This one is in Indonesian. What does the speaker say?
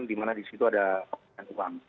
di mana di situ ada pembelian uang